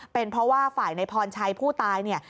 เป็นเพราะว่าฝ่ายในพรชัยผู้ตายเนี่ย